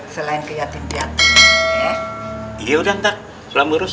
selain ke yatim yatim